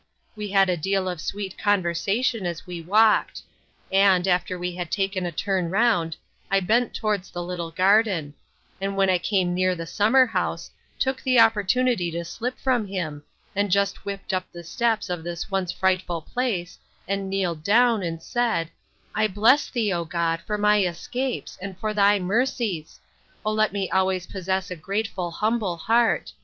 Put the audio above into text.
We had a deal of sweet conversation as we walked; and, after we had taken a turn round, I bent towards the little garden; and when I came near the summer house, took the opportunity to slip from him, and just whipt up the steps of this once frightful place, and kneeled down, and said, I bless thee, O God! for my escapes, and for thy mercies! O let me always possess a grateful, humble heart!